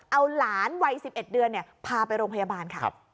เอาหลานวัย๑๑เดือนพาไปโรงพยาบาลค่ะ